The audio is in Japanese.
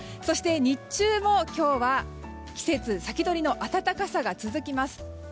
そして、日中も今日は季節先取りの暖かさが続きます。